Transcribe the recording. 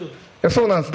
そうなんです。